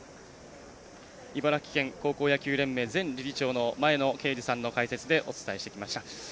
茨城県高校野球連盟前理事長の前野啓二さんの解説でお伝えしてきました。